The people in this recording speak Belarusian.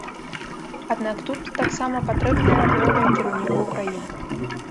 Аднак тут таксама патрэбная воля кіраўнікоў краін.